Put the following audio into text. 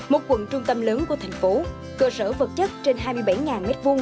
một quận trung tâm lớn của thành phố cơ sở vật chất trên hai mươi bảy m hai